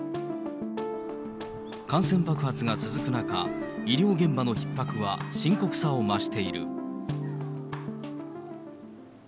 感染爆発が続く中、医療現場のひっ迫は深刻さを増している。